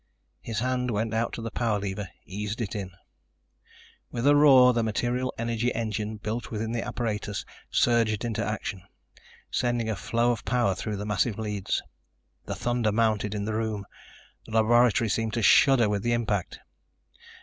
His hand went out to the power lever, eased it in. With a roar the material energy engine built within the apparatus surged into action, sending a flow of power through the massive leads. The thunder mounted in the room. The laboratory seemed to shudder with the impact.